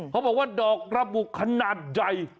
เขาบอกว่าดอกระบุขนาดใหญ่